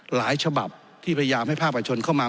ฉบับที่พยายามให้ภาคประชนเข้ามา